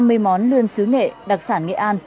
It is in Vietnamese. đặc biệt năm mươi món lươn xứ nghệ đặc sản nghệ an